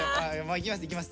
「行きます行きます。